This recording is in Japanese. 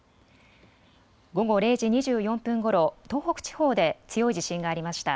午後０時２４分ごろ、東北地方で強い地震がありました。